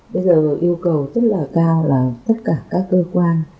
bây giờ yêu cầu rất là cao là tất cả các cơ quan